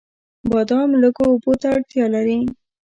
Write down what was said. بادام لږو اوبو ته اړتیا لري.